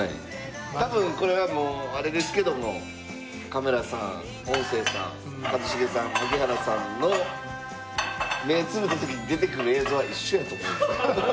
多分これはもうあれですけどもカメラさん音声さん一茂さん槙原さんの目ぇつぶった時に出てくる映像は一緒やと思うんです。